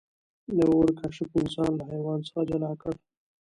د اور کشف انسان له حیوان څخه جلا کړ.